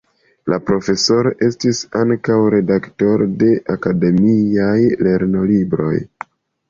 La profesoro estis ankaŭ redaktoro de akademiaj lernolibroj.